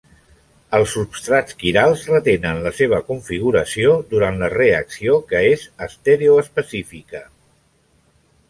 Els substrats quirals retenen la seva configuració durant la reacció, que és estereoespecífica.